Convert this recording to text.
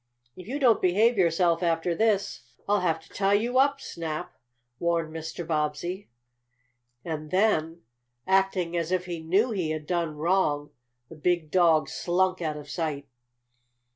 "If you don't behave yourself after this I'll have to tie you up, Snap," warned Mr. Bobbsey. And then, acting as if he knew he had done wrong, the big dog slunk out of sight.